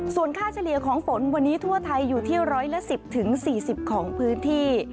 ส่วนค่าเฉลี่ยของฝนวันนี้ทั่วไทยอยู่ที่ร้อยละ๑๐๔๐ของพื้นที่